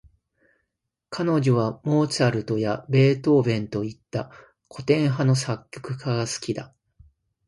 彼女はモーツァルトやベートーヴェンといった、古典派の作曲家が好きだ。